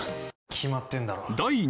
決まってんだろ。